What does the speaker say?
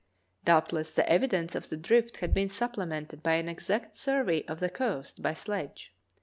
Doubtless the evidence of the drift had been supplemented by an exact survey of the coast by sledge.